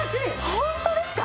ホントですか！？